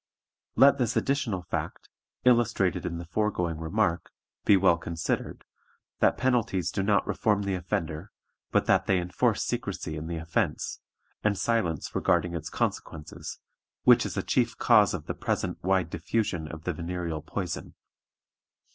"Let this additional fact, illustrated in the foregoing remark, be well considered, that penalties do not reform the offender, but that they enforce secrecy in the offense, and silence regarding its consequences, which is a chief cause of the present wide diffusion of the venereal poison.